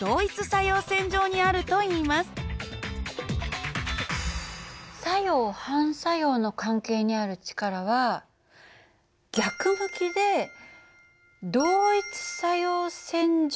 作用・反作用の関係にある力は逆向きで同一作用線上にある。